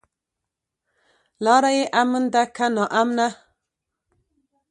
لاره يې امن ده که ناامنه؟